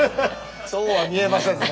そうは見えませんね。